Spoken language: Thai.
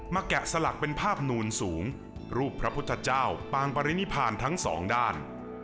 แกะสลักเป็นภาพนูนสูงรูปพระพุทธเจ้าปางปรินิพานทั้งสองด้าน